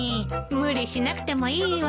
無理しなくてもいいわよ。